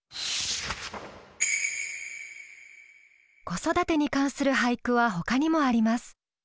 子育てに関する俳句はほかにもあります。